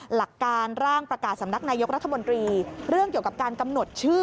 หลักการร่างประกาศสำนักนายกรัฐมนตรีเรื่องเกี่ยวกับการกำหนดชื่อ